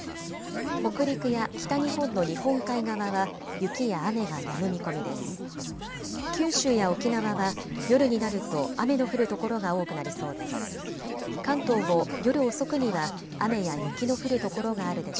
北陸や北日本の日本海側は雪や雨がやむ見込みです。